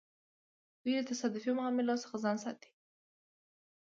دوی له تصادفي معاملو څخه ځان ساتي.